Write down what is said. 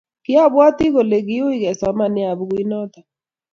Kiabwate kole kiui kesoman nea bukuit notok